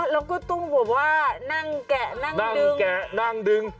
อ๋อแล้วก็ต้องบอกว่านั่งแกะนั่งดึง